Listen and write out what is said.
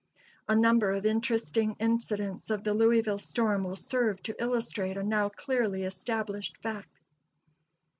A number of interesting incidents of the Louisville storm will serve to illustrate a now clearly established fact.